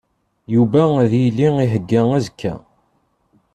Yuba ad yili ihegga azekka.